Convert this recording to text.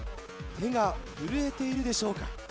手が震えているでしょうか？